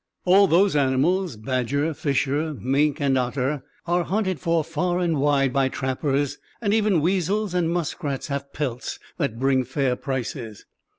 All those animals—badger, fisher, mink, and otter—are hunted for far and wide by trappers, and even weasels and muskrats have pelts that bring fair prices."